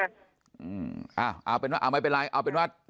เอาเป็นว่าเอาไม่เป็นไรเอาเป็นว่า